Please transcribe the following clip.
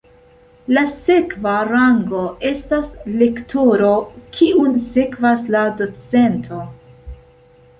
La sekva rango estas lektoro, kiun sekvas la docento.